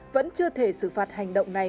vẫn chưa thể xử phạt hành động này